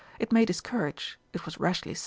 It may discourage. It was rashly said.